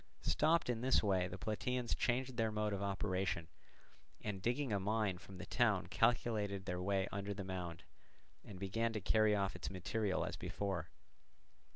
Stopped in this way the Plataeans changed their mode of operation, and digging a mine from the town calculated their way under the mound, and began to carry off its material as before.